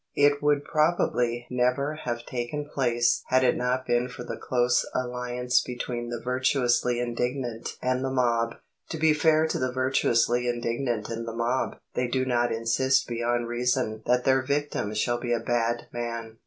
It would probably never have taken place had it not been for the close alliance between the virtuously indignant and the mob. To be fair to the virtuously indignant and the mob, they do not insist beyond reason that their victim shall be a bad man.